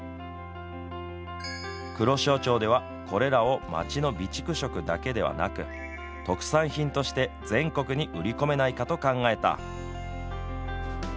黒潮町ではこれらを町の備蓄食だけではなく特産品として全国に売り込めないかと考えた。